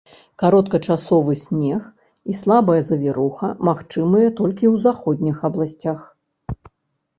Кароткачасовы снег і слабая завіруха магчымыя толькі ў заходніх абласцях.